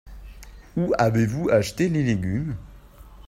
Où avez-vous acheté les légumes ?